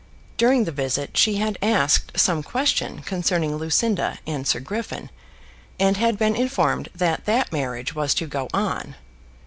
During the visit she had asked some question concerning Lucinda and Sir Griffin, and had been informed that that marriage was to go on.